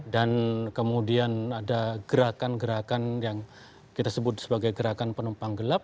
dan kemudian ada gerakan gerakan yang kita sebut sebagai gerakan penumpang gelap